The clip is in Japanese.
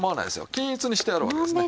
均一にしてやるわけですね。